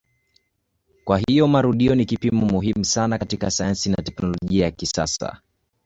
Kwa hiyo marudio ni kipimo muhimu sana katika sayansi na teknolojia ya kisasa.